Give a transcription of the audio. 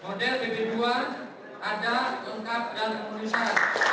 model bp dua ada lengkap dan menentukan